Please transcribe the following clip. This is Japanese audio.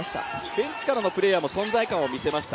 ベンチからのプレーヤーも存在感を見せました。